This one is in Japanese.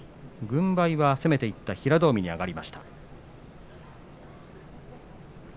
軍配は攻めていった平戸海に上がりました。